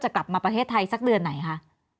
กลับมาประเทศไทยสักเดือนไหนคะ